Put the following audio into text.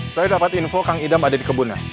saya dapat info kang idam ada di kebun